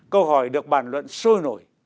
câu hỏi được bàn luận sôi nổi